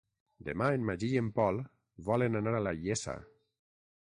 Demà en Magí i en Pol volen anar a la Iessa.